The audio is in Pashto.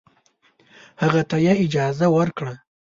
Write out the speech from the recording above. هغه ته یې اجازه ورکړه.